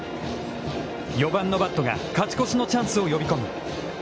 ４番のバットが勝ち越しのチャンスを呼び込む。